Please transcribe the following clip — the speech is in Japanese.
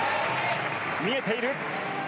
見えている。